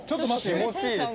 気持ちいいですね。